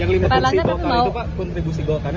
yang lima fungsi golkar itu pak kontribusi golkarnya